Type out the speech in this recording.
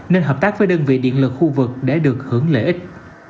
nên hợp tác với đơn vị điện lực khu vực để được hưởng lợi ích